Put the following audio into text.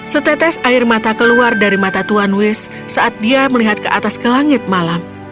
setetes air mata keluar dari mata tuan wish saat dia melihat ke atas ke langit malam